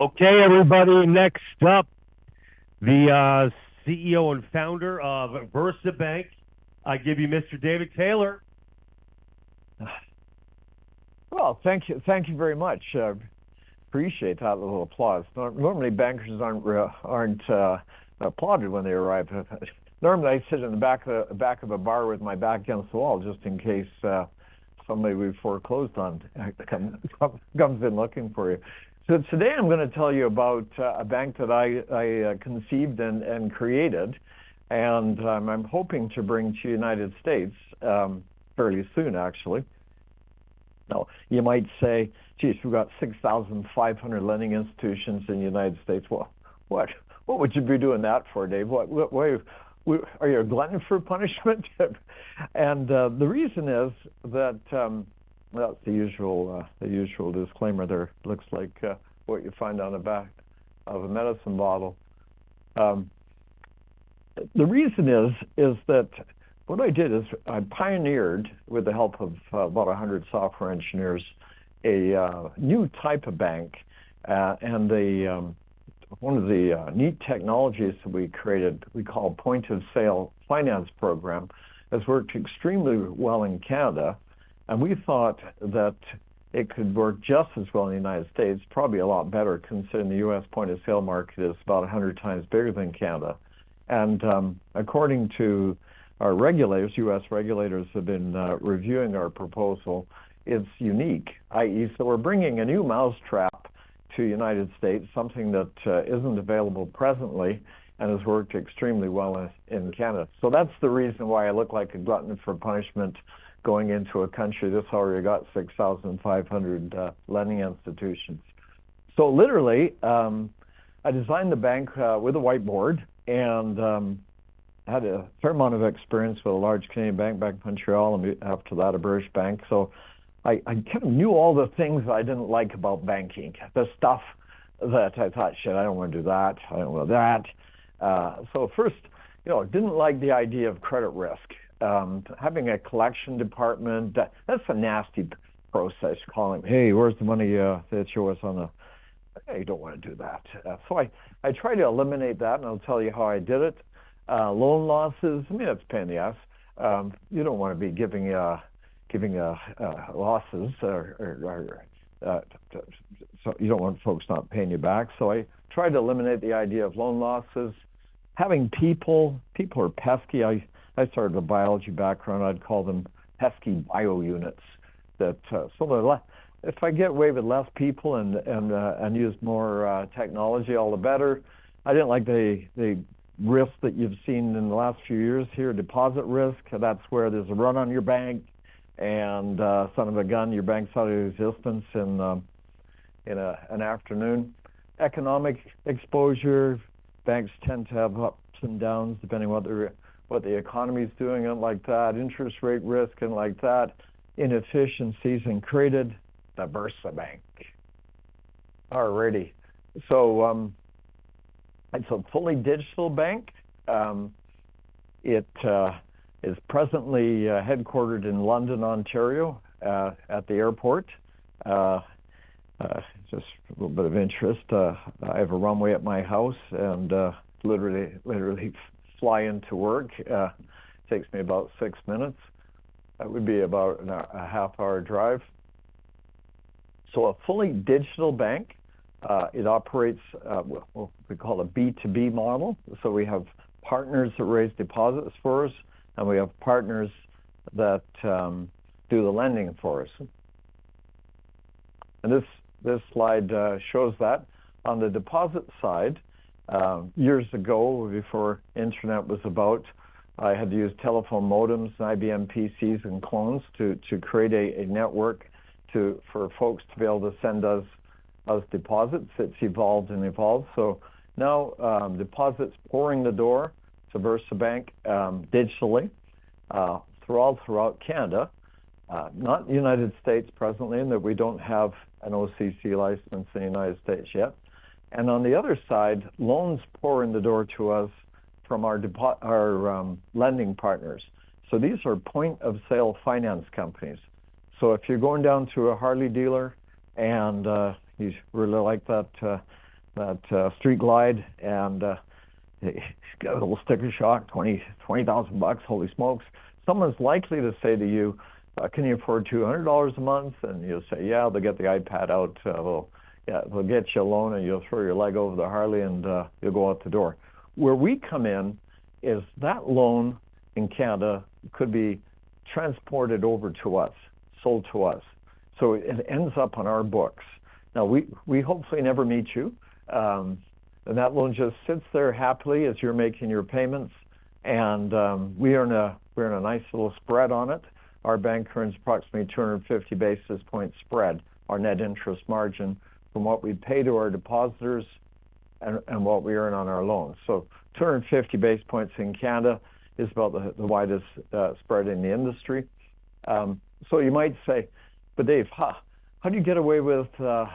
Okay, everybody. Next up, the CEO and founder of VersaBank. I give you Mr. David Taylor. Well, thank you. Thank you very much. Appreciate that little applause. Normally, bankers aren't applauded when they arrive. Normally, I sit in the back of the back of a bar with my back against the wall, just in case somebody we've foreclosed on comes in looking for you. So today I'm gonna tell you about a bank that I conceived and created, and I'm hoping to bring to United States fairly soon actually. Now, you might say, "Geez, we've got 6,500 lending institutions in the United States. Well, what would you be doing that for, Dave? What, are you a glutton for punishment?" And the reason is that, well, the usual disclaimer there. Looks like what you find on the back of a medicine bottle. The reason is that what I did is I pioneered, with the help of about 100 software engineers, a new type of bank. And one of the neat technologies we created, we call point-of-sale finance program, has worked extremely well in Canada, and we thought that it could work just as well in the United States, probably a lot better, considering the U.S. point-of-sale market is about 100 times bigger than Canada. And according to our regulators, U.S. regulators have been reviewing our proposal. It's unique, i.e., so we're bringing a new mousetrap to United States, something that isn't available presently and has worked extremely well in Canada. So that's the reason why I look like a glutton for punishment going into a country that's already got 6,500 lending institutions. So literally, I designed the bank with a whiteboard, and I had a fair amount of experience with a large Canadian bank, Bank of Montreal, and after that, a British bank. So I kind of knew all the things I didn't like about banking, the stuff that I thought, "Shit, I don't wanna do that. I don't want that." So first, you know, I didn't like the idea of credit risk. Having a collection department, that's a nasty process, calling: "Hey, where's the money you owe us on the," I don't wanna do that. So I tried to eliminate that, and I'll tell you how I did it. Loan losses, I mean, that's a pain in the ass. You don't wanna be giving losses or so you don't want folks not paying you back. So I tried to eliminate the idea of loan losses. Having people are pesky. I started a biology background. I'd call them pesky bio units that, so if I get away with less people and use more technology, all the better. I didn't like the risk that you've seen in the last few years here, deposit risk, that's where there's a run on your bank, and son of a gun, your bank's out of existence in an afternoon. Economic exposure, banks tend to have ups and downs, depending on what the economy is doing. I don't like that. Interest rate risk, and like that. Inefficiencies created the VersaBank. All righty. So, it's a fully digital bank. It is presently headquartered in London, Ontario, at the airport. Just a little bit of interest, I have a runway at my house, and literally fly into work. Takes me about six minutes. That would be about a half-hour drive. So a fully digital bank, it operates, we call a B2B model. So we have partners that raise deposits for us, and we have partners that do the lending for us. And this slide shows that on the deposit side, years ago, before internet was about, I had to use telephone modems and IBM PCs and clones to create a network for folks to be able to send us deposits. It's evolved and evolved. So now, deposits pouring in the door to VersaBank, digitally, throughout Canada, not United States, presently, and that we don't have an OCC license in the United States yet. And on the other side, loans pour in the door to us from our lending partners. So these are point-of-sale finance companies. So if you're going down to a Harley dealer and you really like that Street Glide and you got a little sticker shock, $20,000, holy smokes! Someone's likely to say to you, "Can you afford $200 a month?" And you'll say, "Yeah," they'll get the iPad out. Yeah, we'll get you a loan, and you'll throw your leg over the Harley, and you'll go out the door. Where we come in is that loan in Canada could be transported over to us, sold to us. So it ends up on our books. Now, we, we hopefully never meet you, and that loan just sits there happily as you're making your payments, and, we earn a, we earn a nice little spread on it. Our bank earns approximately 250 basis point spread, our net interest margin from what we pay to our depositors and, and what we earn on our loans. So 250 basis points in Canada is about the widest spread in the industry. So you might say, "But Dave, huh, how do you get away with no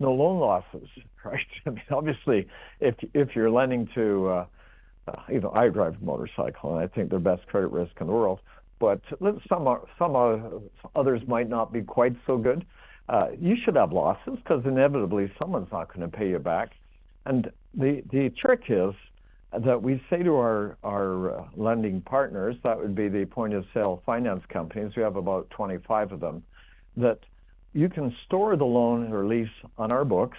loan losses?" Right? I mean, obviously, if you're lending to, you know, I drive a motorcycle, and I think they're best credit risk in the world, but some others might not be quite so good. You should have losses because inevitably someone's not gonna pay you back. And the trick is that we say to our lending partners, that would be the point-of-sale finance companies, we have about 25 of them, that you can store the loan or lease on our books,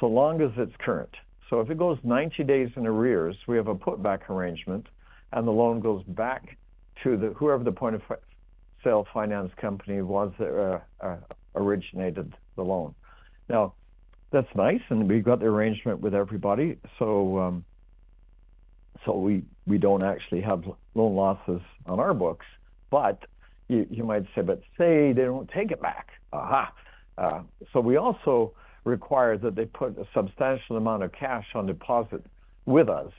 so long as it's current. So if it goes 90 days in arrears, we have a put-back arrangement, and the loan goes back to whoever the point-of-sale finance company was that originated the loan. Now, that's nice, and we've got the arrangement with everybody, so we don't actually have loan losses on our books. But you might say, "But, say, they don't take it back?" Aha! So we also require that they put a substantial amount of cash on deposit with us,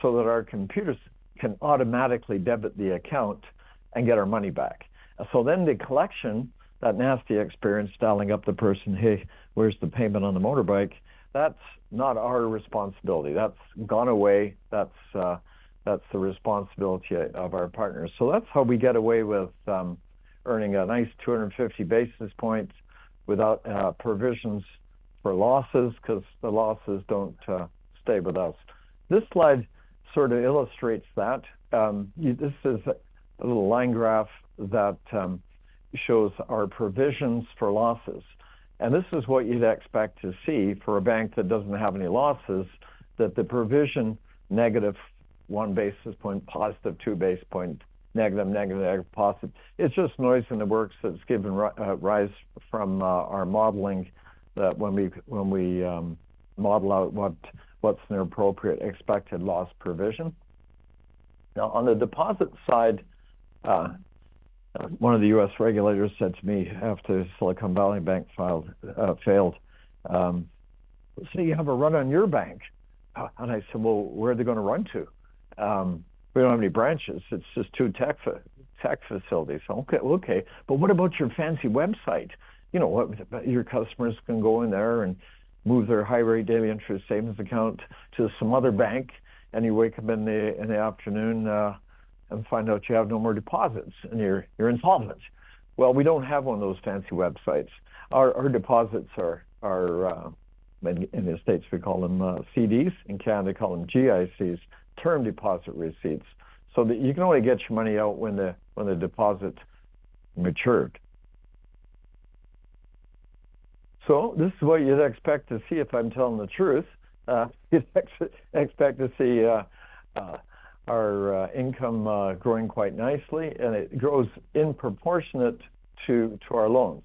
so that our computers can automatically debit the account and get our money back. And so then the collection, that nasty experience, dialing up the person, "Hey, where's the payment on the motorbike?" That's not our responsibility. That's gone away, that's the responsibility of our partners. So that's how we get away with earning a nice 250 basis points without provisions for losses, 'cause the losses don't stay with us. This slide sort of illustrates that. This is a little line graph that shows our provisions for losses. This is what you'd expect to see for a bank that doesn't have any losses, that the provision -1 basis point, +2 basis point, negative, negative, positive. It's just noise in the works that's giving rise from our modeling, that when we model out what's an appropriate expected loss provision. Now, on the deposit side, one of the U.S. regulators said to me, after Silicon Valley Bank failed, "Say you have a run on your bank." And I said, "Well, where are they gonna run to? We don't have any branches. It's just two tech facilities." "Okay, okay, but what about your fancy website? You know, what, your customers can go in there and move their high rate daily interest savings account to some other bank, and you wake up in the afternoon and find out you have no more deposits, and you're insolvent." Well, we don't have one of those fancy websites. Our deposits are in the States, we call them CDs, in Canada, they call them GICs, term deposit receipts, so that you can only get your money out when the deposit matured. So this is what you'd expect to see if I'm telling the truth. You'd expect to see our income growing quite nicely, and it grows in proportionate to our loans.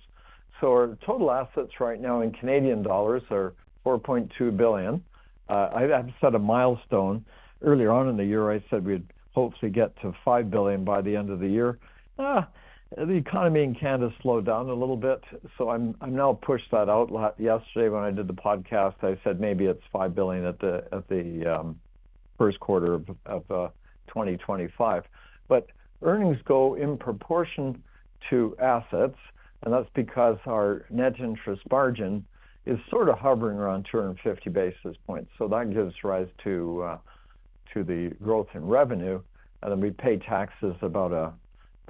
So our total assets right now in Canadian dollars are 4.2 billion. I've set a milestone. Earlier on in the year, I said we'd hopefully get to 5 billion by the end of the year. The economy in Canada slowed down a little bit, so I've now pushed that out. Yesterday, when I did the podcast, I said maybe it's 5 billion at the first quarter of 2025. But earnings go in proportion to assets, and that's because our net interest margin is sort of hovering around 250 basis points, so that gives rise to to the growth in revenue. And then, we pay taxes about a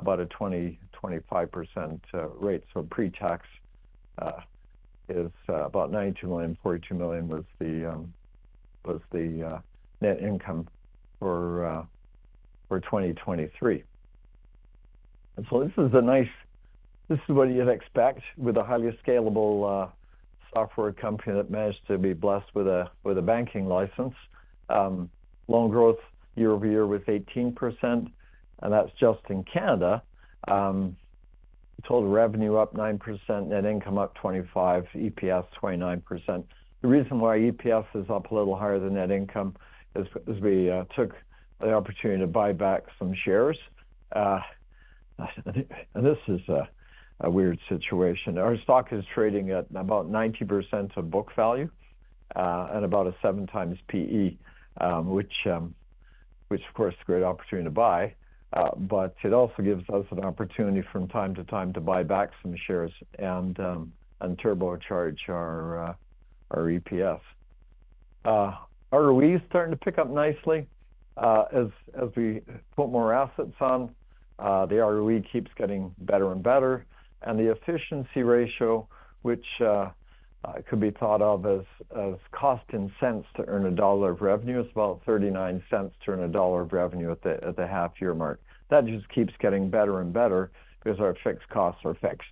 25% rate, so pre-tax is about 92 million. 42 million was the net income for 2023. And so this is a nice, this is what you'd expect with a highly scalable software company that managed to be blessed with a banking license. Loan growth year-over-year 18%, and that's just in Canada. Total revenue up 9%, net income up 25%, EPS 29%. The reason why EPS is up a little higher than net income is we took the opportunity to buy back some shares. And this is a weird situation. Our stock is trading at about 90% of book value, and about a 7x PE, which, of course, is a great opportunity to buy. But it also gives us an opportunity from time to time to buy back some shares and turbocharge our EPS. ROE is starting to pick up nicely. As we put more assets on, the ROE keeps getting better and better. And the efficiency ratio, which could be thought of as cost in cents to earn a dollar of revenue, is about 0.39 to earn a dollar of revenue at the half year mark. That just keeps getting better and better because our fixed costs are fixed.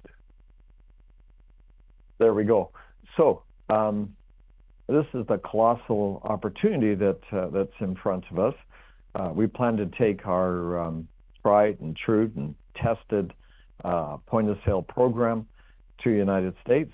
There we go. So, this is the colossal opportunity that's in front of us. We plan to take our tried and true, and tested point-of-sale program to United States.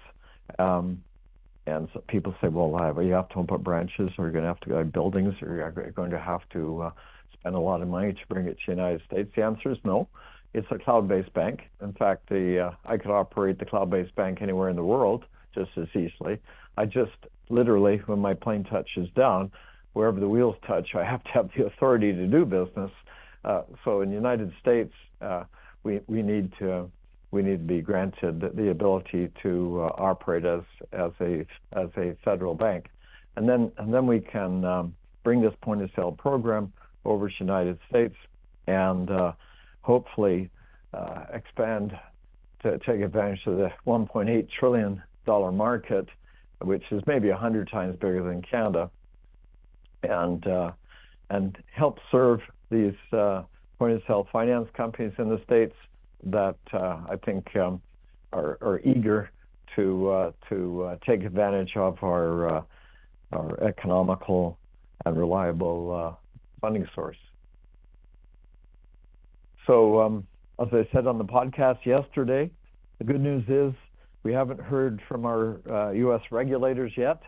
And so people say, "Well, you have to put branches, or you're gonna have to go to buildings, or you're going to have to spend a lot of money to bring it to the United States?" The answer is no. It's a cloud-based bank. In fact, I could operate the cloud-based bank anywhere in the world, just as easily. I just, literally, when my plane touches down, wherever the wheels touch, I have to have the authority to do business. So in the United States, we need to be granted the ability to operate as a federal bank. And then we can bring this point-of-sale program over to United States and hopefully expand to take advantage of the $1.8 trillion market, which is maybe 100 times bigger than Canada. And help serve these point-of-sale finance companies in the States that I think are eager to take advantage of our economical and reliable funding source. So, as I said on the podcast yesterday, the good news is, we haven't heard from our U.S. regulators yet,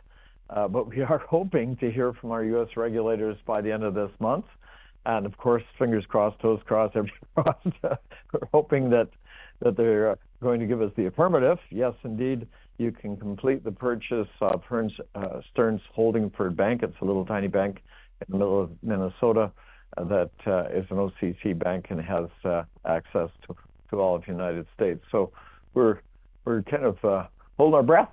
but we are hoping to hear from our U.S. regulators by the end of this month. And of course, fingers crossed, toes crossed, everything crossed, we're hoping that they're going to give us the affirmative. Yes, indeed, you can complete the purchase of Stearns Bank Holdingford. It's a little tiny bank in the middle of Minnesota that is an OCC bank and has access to all of the United States. So we're kind of hold our breath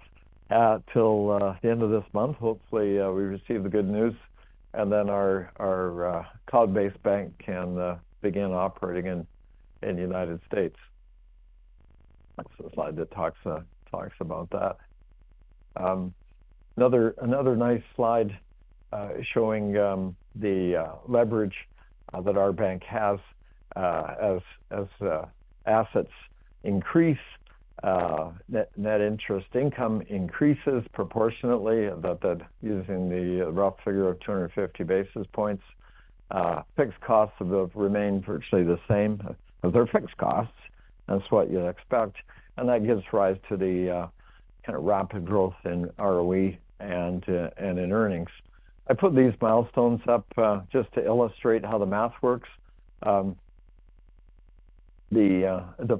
till the end of this month. Hopefully, we receive the good news, and then our cloud-based bank can begin operating in the United States. Next slide that talks about that. Another nice slide showing the leverage that our bank has. As assets increase, net interest income increases proportionately, but that using the rough figure of 250 basis points, fixed costs of those remain virtually the same as their fixed costs. That's what you'd expect. And that gives rise to the kinda rapid growth in ROE and in earnings. I put these milestones up just to illustrate how the math works. The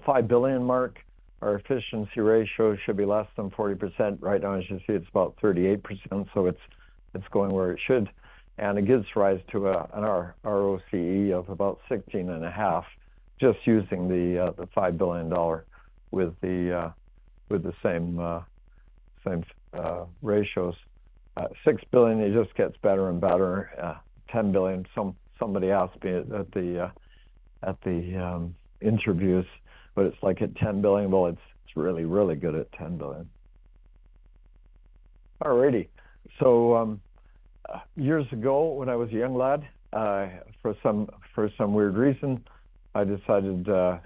5 billion mark, our efficiency ratio should be less than 40%. Right now, as you see, it's about 38%, so it's going where it should, and it gives rise to an ROCE of about 16.5%, just using the CAD 5 billion with the same ratios. At 6 billion, it just gets better and better. 10 billion, somebody asked me at the interviews, what it's like at 10 billion? Well, it's really, really good at 10 billion. All righty. So, years ago, when I was a young lad, for some weird reason, I decided to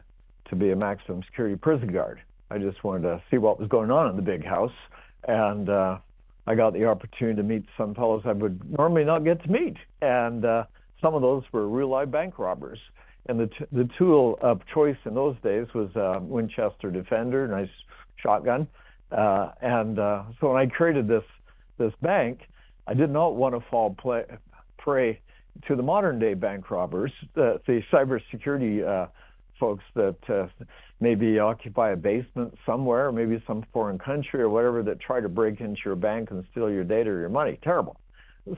be a maximum security prison guard. I just wanted to see what was going on in the Big House, and I got the opportunity to meet some fellows I would normally not get to meet, and some of those were real-life bank robbers. And the tool of choice in those days was a Winchester Defender, a nice shotgun. So when I created this bank, I did not want to fall prey to the modern-day bank robbers, the cybersecurity folks that maybe occupy a basement somewhere, or maybe some foreign country or whatever, that try to break into your bank and steal your data or your money. Terrible!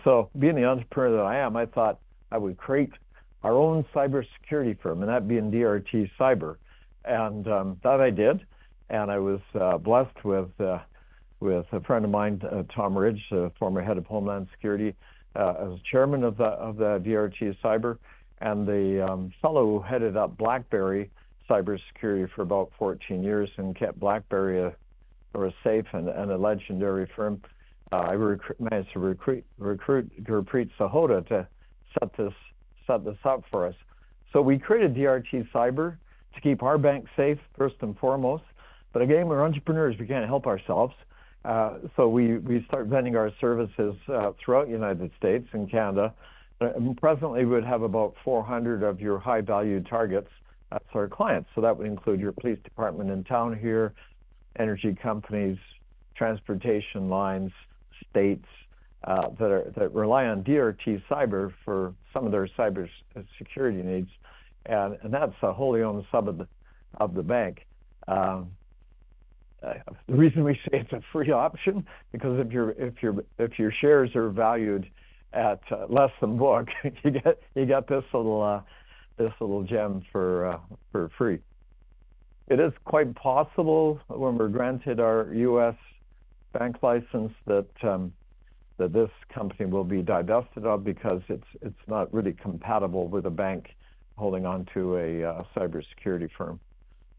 So being the entrepreneur that I am, I thought I would create our own cybersecurity firm, and that being DRT Cyber. That I did. And I was blessed with a friend of mine, Tom Ridge, former Head of Homeland Security, as chairman of the DRT Cyber. And the fellow who headed up BlackBerry cybersecurity for about 14 years and kept BlackBerry a safe and legendary firm. I managed to recruit Gurpreet Sahota to set this up for us. So we created DRT Cyber to keep our bank safe, first and foremost. But again, we're entrepreneurs, we can't help ourselves. So we start vending our services throughout the United States and Canada. But presently, we'd have about 400 of your high-value targets as our clients. So that would include your police department in town here, energy companies, transportation lines, states that rely on DRT Cyber for some of their cyber security needs, and that's a wholly-owned sub of the bank. The reason we say it's a free option, because if your shares are valued at less than book, you get this little gem for free. It is quite possible when we're granted our U.S. bank license, that this company will be divested of, because it's not really compatible with a bank holding onto a cybersecurity firm.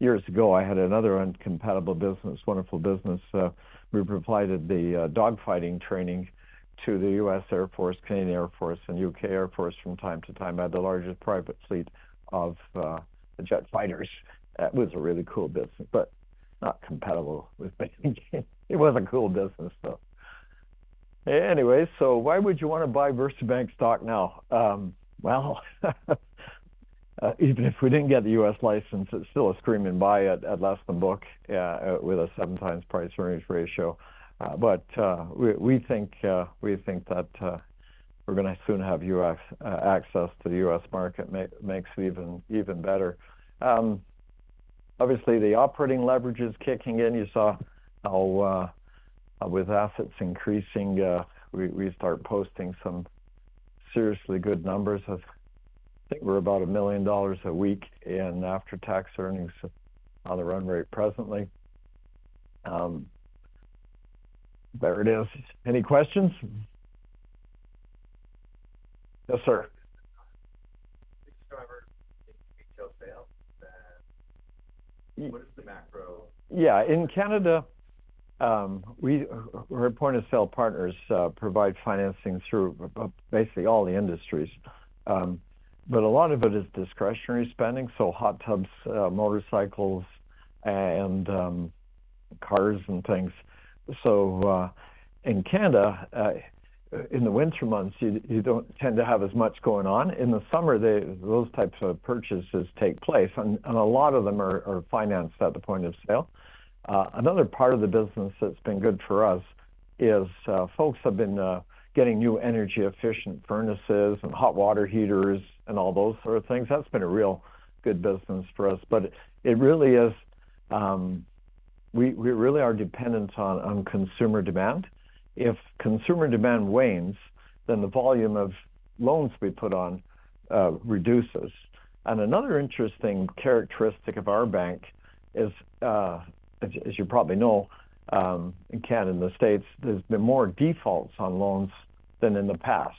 Years ago, I had another incompatible business, wonderful business, we provided the dogfighting training to the U.S. Air Force, Canadian Air Force, and U.K. Air Force from time to time. I had the largest private fleet of jet fighters. That was a really cool business, but not compatible with banking. It was a cool business, though. Anyways, so why would you want to buy VersaBank stock now? Well, even if we didn't get the U.S. license, it's still a screaming buy at less than book with a 7 times price earnings ratio. But we think that we're gonna soon have U.S. access to the U.S. market. Makes it even better. Obviously, the operating leverage is kicking in. You saw how with assets increasing we start posting some seriously good numbers of, I think we're about 1 million dollars a week in after-tax earnings on the run rate presently. There it is. Any questions? Yes, sir? [inaudible] Yeah, in Canada, our point-of-sale partners provide financing through basically all the industries. But a lot of it is discretionary spending, so hot tubs, motorcycles, and cars and things. So, in Canada, in the winter months, you don't tend to have as much going on. In the summer, those types of purchases take place, and a lot of them are financed at the point of sale. Another part of the business that's been good for us is, folks have been getting new energy-efficient furnaces and hot water heaters and all those sort of things. That's been a real good business for us, but it really is, we really are dependent on consumer demand. If consumer demand wanes, then the volume of loans we put on reduces. Another interesting characteristic of our bank is, as you probably know, in Canada, in the States, there's been more defaults on loans than in the past.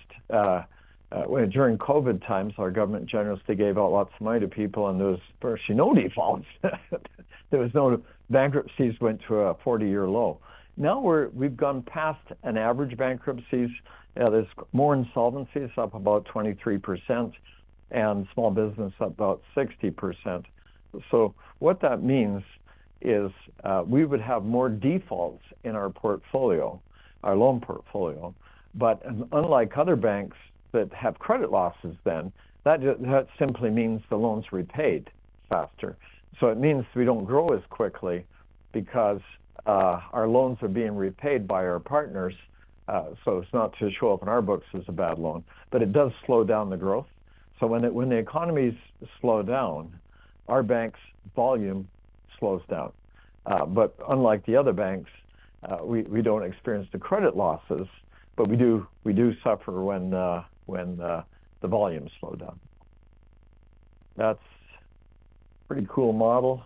During COVID times, our government generously gave out lots of money to people, and there was virtually no defaults. Bankruptcies went to a 40-year low. Now we've gone past an average bankruptcies. There's more insolvencies, up about 23%, and small business, about 60%. So what that means is, we would have more defaults in our portfolio, our loan portfolio. But unlike other banks that have credit losses then, that simply means the loan's repaid faster. So it means we don't grow as quickly because our loans are being repaid by our partners, so it's not to show up in our books as a bad loan, but it does slow down the growth. So when the economies slow down, our bank's volume slows down. But unlike the other banks, we don't experience the credit losses, but we do suffer when the volumes slow down. That's pretty cool model.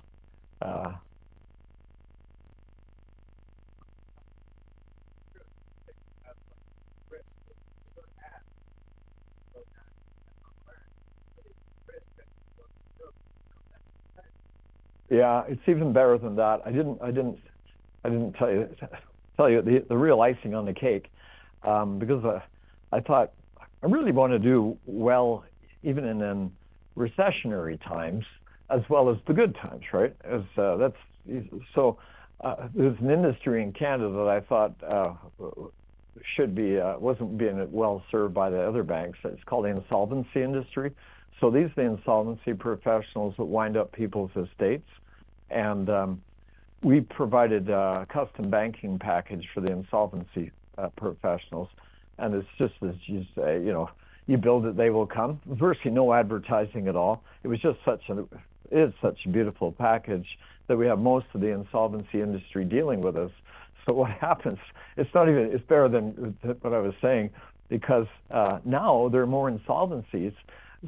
[inaudible] Yeah, it's even better than that. I didn't tell you the real icing on the cake, because I thought I'm really gonna do well, even in recessionary times as well as the good times, right? As that's so there's an industry in Canada that I thought should be, wasn't being well served by the other banks. It's called the insolvency industry. So these are the insolvency professionals that wind up people's estates, and we provided a custom banking package for the insolvency professionals, and it's just, as you say, you know, you build it, they will come. Virtually, no advertising at all. It was just such a beautiful package that we have most of the insolvency industry dealing with us. So what happens? It's not even, it's better than what I was saying, because now there are more insolvencies,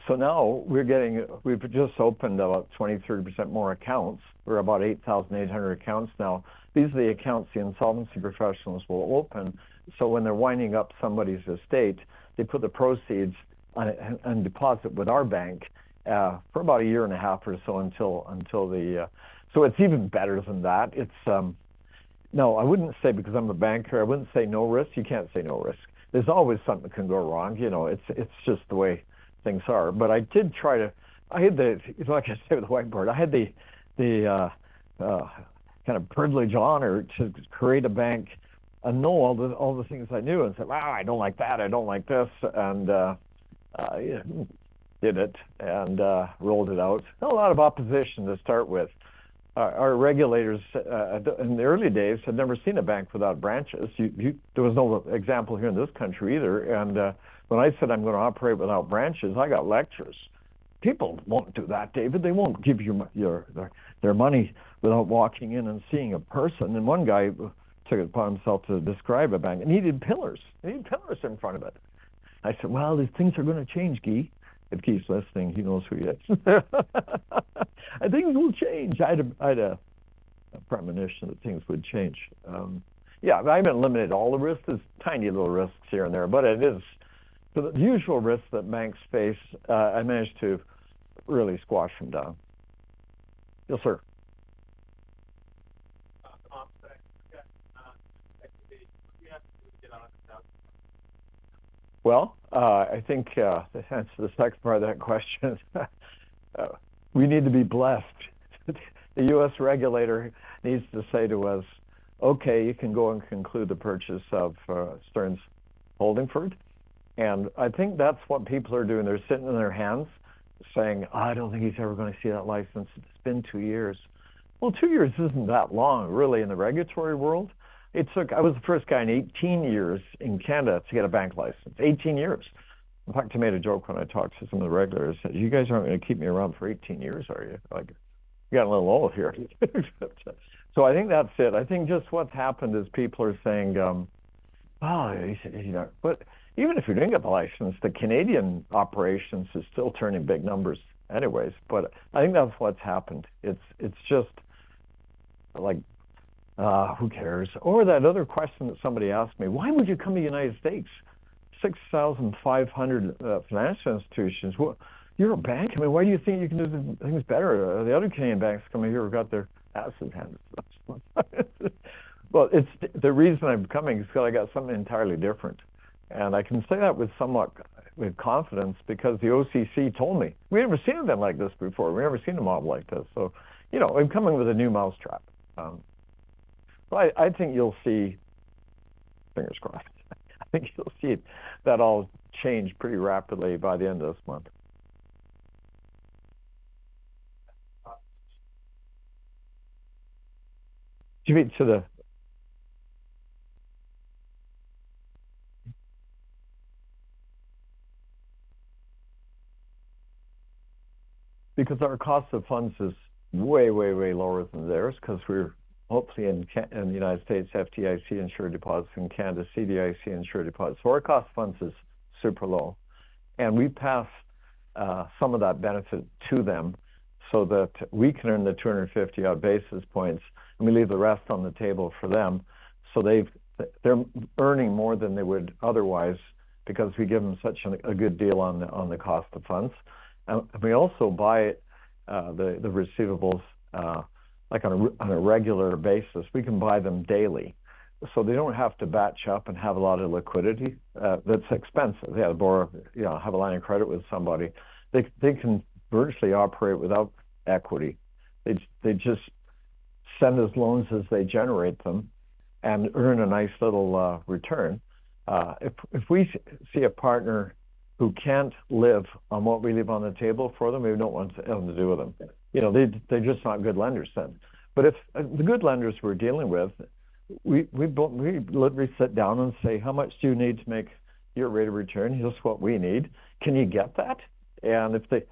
so now we're getting, we've just opened about 20-30% more accounts. We're about 8,800 accounts now. These are the accounts the insolvency professionals will open, so when they're winding up somebody's estate, they put the proceeds on it and deposit with our bank for about a year and a half or so, until, until the, so it's even better than that. No, I wouldn't say because I'm a banker, I wouldn't say no risk. You can't say no risk. There's always something that can go wrong, you know, it's just the way things are. But I did try to. I had the, like I said, with the whiteboard, I had the kind of privilege, honor to create a bank and know all the things I knew and said, "Well, I don't like that. I don't like this," and yeah, did it and rolled it out. Not a lot of opposition to start with. Our regulators in the early days had never seen a bank without branches. There was no example here in this country either, and when I said I'm gonna operate without branches, I got lectures. "People won't do that, David. They won't give you their money without walking in and seeing a person." And one guy took it upon himself to describe a bank, and he did pillars. He did pillars in front of it. I said, "Well, these things are gonna change, Gee," if Gee's listening, he knows who he is. Things will change. I had a premonition that things would change. Yeah, but I haven't eliminated all the risks. There's tiny little risks here and there, but it is. The usual risks that banks face, I managed to really squash them down. Yes, sir. [inaudible] Well, I think, to answer the second part of that question, we need to be blessed. The US regulator needs to say to us, "Okay, you can go and conclude the purchase of, Stearns Bank Holdingford." And I think that's what people are doing. They're sitting in their hands saying: I don't think he's ever gonna see that license. It's been two years. Well, two years isn't that long, really, in the regulatory world. I was the first guy in 18 years in Canada to get a bank license. 18 years. In fact, I made a joke when I talked to some of the regulators. You guys aren't gonna keep me around for 18 years, are you? Like, you got a little old here. So I think that's it. I think just what's happened is people are saying, oh, you know. But even if you didn't get the license, the Canadian operations is still turning big numbers anyways, but I think that's what's happened. It's just like who cares? Or that other question that somebody asked me, why would you come to the United States? 6,500 financial institutions. Well, you're a bank. I mean, why do you think you can do things better? The other Canadian banks coming here have got their ass in hands. Well, it's the reason I'm coming is because I got something entirely different, and I can say that with somewhat, with confidence, because the OCC told me, "We've never seen anything like this before. We've never seen a model like this." So, you know, I'm coming with a new mousetrap. So I think you'll see, fingers crossed, I think you'll see that all change pretty rapidly by the end of this month. Because our cost of funds is way, way, way lower than theirs, because we're hopefully in the United States, FDIC-insured deposits, in Canada, CDIC-insured deposits. So our cost of funds is super low, and we pass some of that benefit to them so that we can earn the 250 odd basis points, and we leave the rest on the table for them. So they're earning more than they would otherwise because we give them such a good deal on the cost of funds. And we also buy the receivables like on a regular basis. We can buy them daily, so they don't have to batch up and have a lot of liquidity, that's expensive. They have to borrow, you know, have a line of credit with somebody. They can virtually operate without equity. They just send us loans as they generate them and earn a nice little return. If we see a partner who can't live on what we leave on the table for them, we don't want to have to do with them. You know, they're just not good lenders then. But the good lenders we're dealing with, we both literally sit down and say, "How much do you need to make your rate of return?", "Here's what we need. Can you get that?" And if they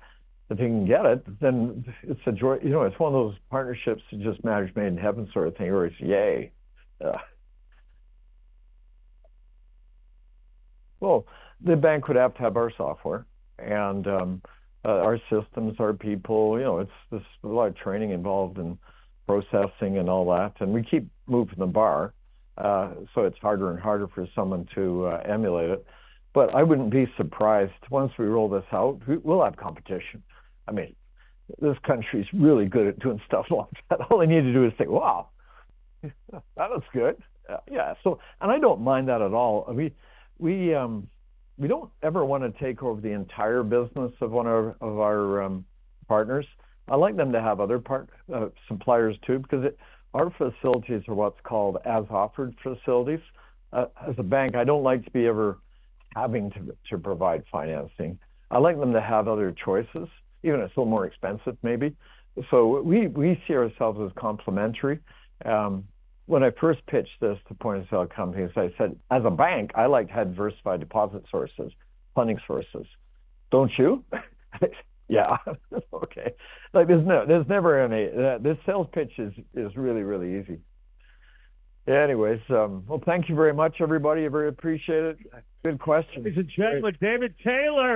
can get it, then it's a joy. You know, it's one of those partnerships that just marriage made in heaven sort of thing, where it's yay. Well, the bank would have to have our software and our systems, our people, you know, it's this, a lot of training involved in processing and all that, and we keep moving the bar, so it's harder and harder for someone to emulate it. But I wouldn't be surprised, once we roll this out, we, we'll have competition. I mean, this country is really good at doing stuff like that. All they need to do is say, "Wow, that looks good." Yeah, I don't mind that at all. I mean, we don't ever want to take over the entire business of one of our partners. I like them to have other part suppliers, too, because our facilities are what's called as-offered facilities. As a bank, I don't like to be ever having to provide financing. I like them to have other choices, even if it's a little more expensive, maybe. So we see ourselves as complementary. When I first pitched this to point-of-sale companies, I said, "As a bank, I like to have diversified deposit sources, funding sources. Don't you?" Yeah. Okay. Like, there's no, there's never any, the sales pitch is really, really easy. Anyways, well, thank you very much, everybody. I very appreciate it. Good questions. Ladies and gentlemen, David Taylor!